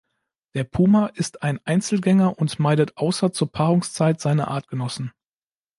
Der Puma ist ein Einzelgänger und meidet außer zur Paarungszeit seine Artgenossen.